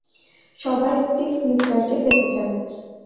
সবাই স্টিফমিস্টারকে পেতে চায়।